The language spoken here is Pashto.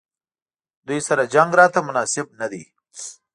دوی سره جنګ راته مناسب نه دی.